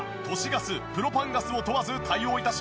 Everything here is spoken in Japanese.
ガスプロパンガスを問わず対応致します。